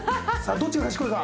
どっちが賢いか？